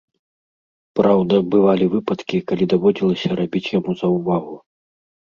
Праўда, бывалі выпадкі, калі даводзілася рабіць яму заўвагу.